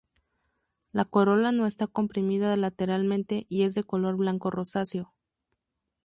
La corola no está comprimida lateralmente y es de color blanco-rosáceo.